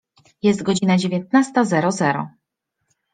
Jest godzina dziewiętnasta zero zero.